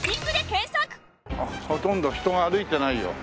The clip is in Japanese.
ほとんど人が歩いてないよ。